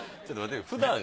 ちょっと。